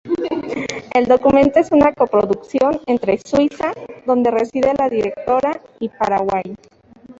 El documental es una coproducción entre Suiza, donde reside la directora, y Paraguay.